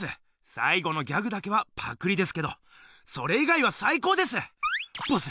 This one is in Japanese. さいごのギャグだけはパクリですけどそれ以外はさいこうです！